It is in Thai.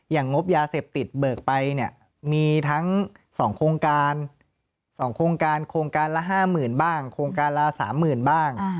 อย่างงบยาเสพติดเบิกไปเนี่ยมีทั้ง๒โครงการโครงการละ๕หมื่นบ้างโครงการละ๓หมื่นบ้าง